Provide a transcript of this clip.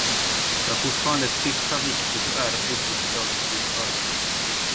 Du har fortfarande ett sista viktigt och ärofyllt uppdrag att slutföra.